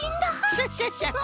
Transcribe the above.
クシャシャシャ！